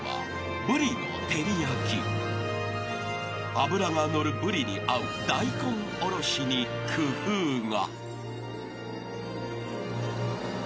［脂が乗るブリに合う大根おろしに工夫が］